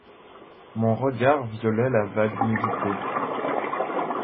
Mon regard violait la vague nudité